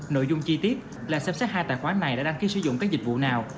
nội dung chi tiết là xem xét hai tài khoản này đã đăng ký sử dụng các dịch vụ nào